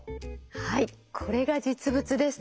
はいこれが実物です。